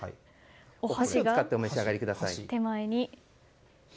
お箸を使ってお召し上がりください。